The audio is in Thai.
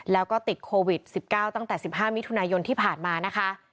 แล้วก็ติดโควิด๑๙ตั้งแต่๑๕มิถุนายนที่ผ่านมานะคะ